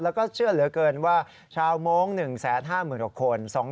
แล้วก็เชื่อเหลือเกินว่าชาวมงค์๑๕๖คน